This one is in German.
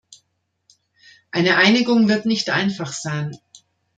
Eine Einigung wird nicht einfach sein.